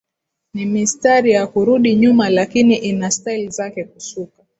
ni mistari ya kurudi nyuma lakini ina style zake za kusuka